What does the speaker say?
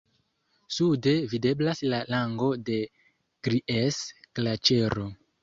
Sude videblas la lango de Gries-Glaĉero.